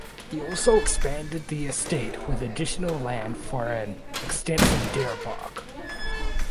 He also expanded the estate with additional land for an extensive deer park.